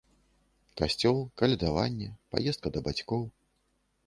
Касцёл, калядаванне, паездка да бацькоў.